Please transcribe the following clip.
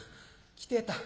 来てたん。